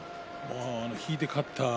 引いて勝った。